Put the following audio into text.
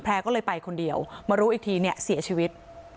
ก็เลยไปคนเดียวมารู้อีกทีเนี่ยเสียชีวิต